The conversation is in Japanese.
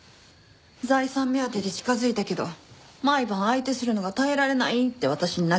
財産目当てで近づいたけど毎晩相手するのが耐えられないって私に泣きついてきたくせに。